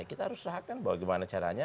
kita harus usahakan bagaimana caranya